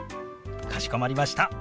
かしこまりました。